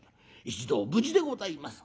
『一同無事でございます』